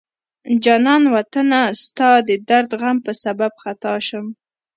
جانان وطنه ستا د درد غم په سبب خطا شم